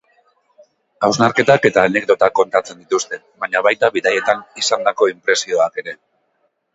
Hausnarketak eta anekdotak kontatzen dituzte, baina baita bidaietan izandako inpresioak ere.